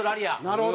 なるほど！